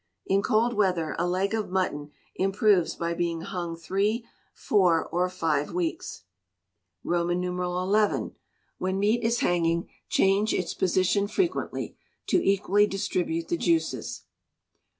In cold weather a leg of mutton improves by being hung three, four, or five weeks. xi. When meat is hanging, change its position frequently, to equally distribute the juices.